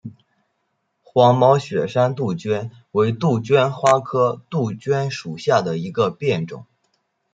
黄毛雪山杜鹃为杜鹃花科杜鹃属下的一个变种。